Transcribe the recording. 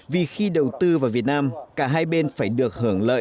vì khi đầu tư vào việt nam cả hai bên phải được hưởng lợi